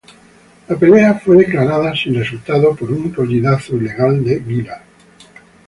La pelea fue declarada sin resultado por un rodillazo ilegal de Guillard.